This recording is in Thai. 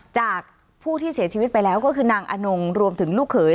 จากผู้ที่เสียชีวิตไปแล้วก็คือนางอนงรวมถึงลูกเขย